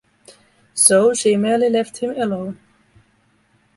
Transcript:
So she merely left him alone.